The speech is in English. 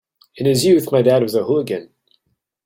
In his youth my dad was a hooligan.